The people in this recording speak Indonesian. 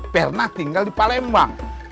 perna tinggal di palembang